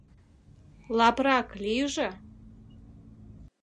Лапрак лийже.